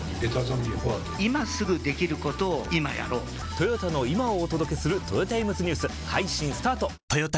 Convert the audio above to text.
トヨタの今をお届けするトヨタイムズニュース配信スタート！！！